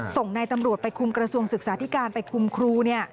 ส่งในตำรวจไปคุมกระทรวงศึกษาธิการไปคุมครู